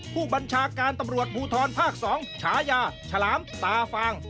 ผู้บัญชาการตำรวจภูทรภาค๒ฉายาฉลามตาฟาง